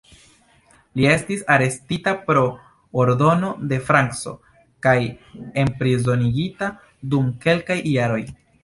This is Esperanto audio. Li estis arestita pro ordono de Franco kaj enprizonigita dum kelkaj jaroj.